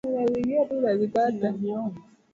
Chamisa akizungumza inaonyesha hakuna shaka yoyote kwamba